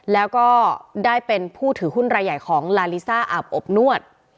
แล้วก็ได้เป็นผู้ถือหุ้นรายใหญ่ของลาลิซ่าอาบอบนวด